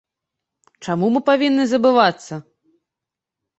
Чаму мы павінны забывацца?